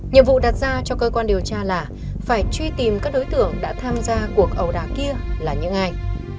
nhiệm vụ đặt ra cho cơ quan điều tra là phải truy tìm các đối tượng đã tham gia cuộc ẩu đả kia là những ai